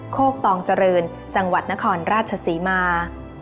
โคกตองเจริญจังหวัดนครราชศรีมา